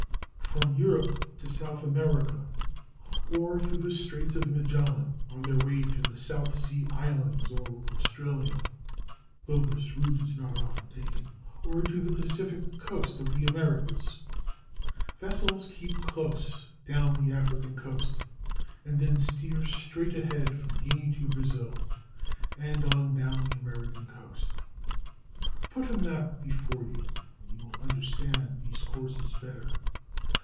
From Europe to South America, or through the Straits of Magellan on their way to the South Sea islands or Australia (though this route is not often taken), or to the Pacific coast of the Americas, vessels keep close down the African coast, and then steer straight ahead from Guinea to Brazil, and on down the American coast. (Put a map before you and you will understand these courses better.)